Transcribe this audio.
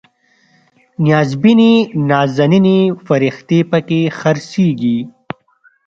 نیازبینې نازنینې فرښتې پکې خرڅیږي